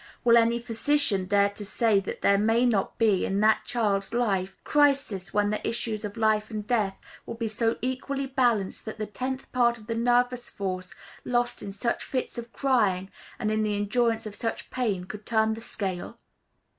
Will any physician dare to say that there may not be, in that child's life, crises when the issues of life and death will be so equally balanced that the tenth part of the nervous force lost in such fits of crying, and in the endurance of such pain, could turn the scale?